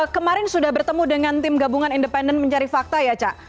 kemarin sudah bertemu dengan tim gabungan independen mencari fakta ya cak